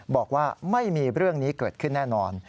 บอกว่าไม่มีเรื่องนี้เกิดขึ้นแน่นอน